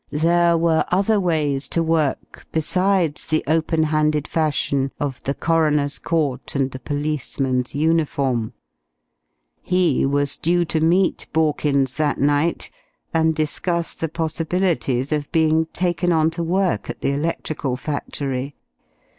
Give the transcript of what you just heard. There were other ways to work besides the open handed fashion of the coroner's court and the policeman's uniform. He was due to meet Borkins that night and discuss the possibilities of being taken on to work at the electrical factory.